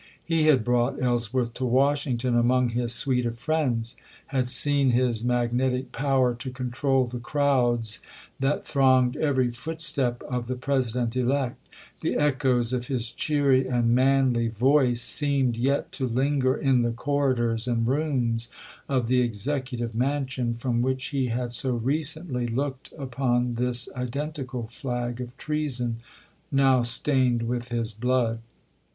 He had brought Ellsworth to Washiugton among his suite of friends; had seen his maguetic power to control the crowds that thronged every footstep of the President elect; the echoes of his cheery and manly voice seemed yet to linger in the corri dors and rooms of the Executive Mansion, from which he had so recently looked upon this identi cal flag of treason now stained with his blood.